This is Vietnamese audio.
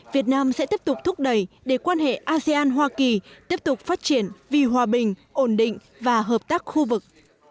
việt nam sẽ tiếp tục thúc đẩy để quan hệ asean hoa kỳ tiếp tục phát triển vì hòa bình ổn định và hợp tác khu vực